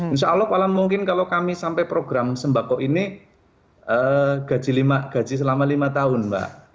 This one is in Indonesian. insya allah kalau mungkin kalau kami sampai program sembako ini gaji selama lima tahun mbak